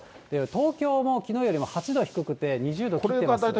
東京もきのうよりも８度低くて２０度切ってますね。